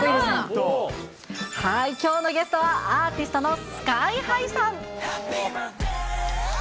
はい、きょうのゲストはアーティストのスカイハイさん。